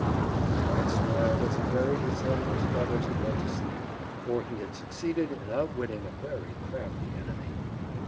The Cock smiled as he buried his head in his feathers and went to sleep, for he had succeeded in outwitting a very crafty enemy.